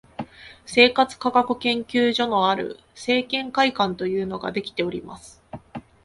生活科学研究所のある生研会館というのができております